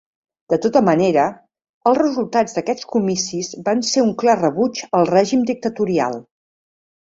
De tota manera, els resultats d'aquests comicis van ser un clar rebuig al règim dictatorial.